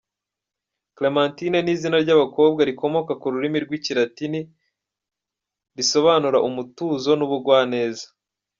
Clémentine ni izina ry’abakobwa rikomoka ku rurimi rw’ikilatini risobanura “umutuzo n’ubugwabeza”.